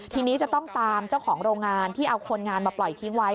ทีนี้จะต้องตามเจ้าของโรงงานที่เอาคนงานมาปล่อยทิ้งไว้